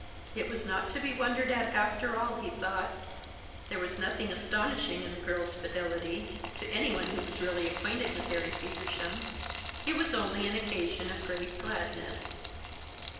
It was not to be wondered at after all, he thought; there was nothing astonishing in the girl's fidelity to any one who was really acquainted with Harry Feversham, it was only an occasion of great gladness.